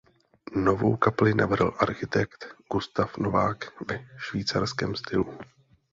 Novou kapli navrhl architekt Gustav Nowak ve švýcarském stylu.